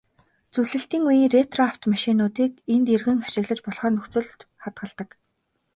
Зөвлөлтийн үеийн ретро автомашинуудыг энд эргэн ашиглаж болохоор нөхцөлд хадгалдаг.